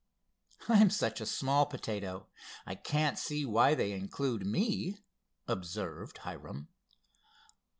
"I'm such a small potato I can't see why they include me," observed Hiram.